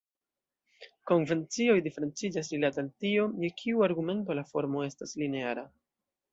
Konvencioj diferenciĝas rilate al tio je kiu argumento la formo estas lineara.